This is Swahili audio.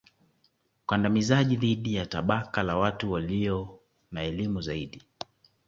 Ukandamizaji dhidi ya tabaka la watu walio na elimu zaidi